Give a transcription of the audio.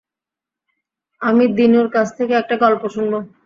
আমি দিনুর কাছ থেকে একটা গল্প শুনব।